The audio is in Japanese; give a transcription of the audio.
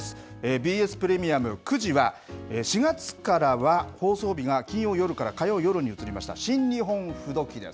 ＢＳプレミアム、９時は４月からは放送日が金曜夜から火曜夜に移りました、新日本風土記です。